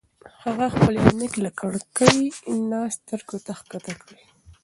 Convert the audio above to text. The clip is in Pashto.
هغه خپلې عینکې له ککرۍ نه سترګو ته ښکته کړې.